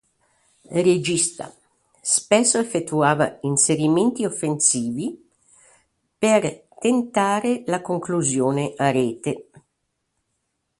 Regista; spesso effettuava inserimenti offensivi, per tentare la conclusione a rete.